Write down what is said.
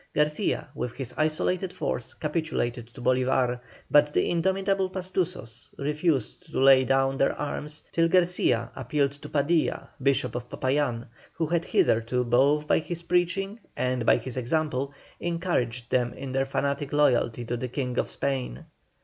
Garcia, with his isolated force, capitulated to Bolívar, but the indomitable Pastusos refused to lay down their arms till Garcia appealed to Padilla, Bishop of Popayán, who had hitherto, both by his preaching and by his example, encouraged them in their fanatic loyalty to the King of Spain.